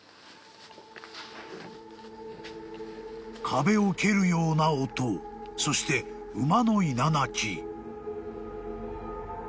［壁を蹴るような音そして馬のいななき］